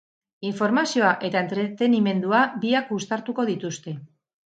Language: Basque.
Informazioa eta entrenimendua, biak uztartuko dituzte.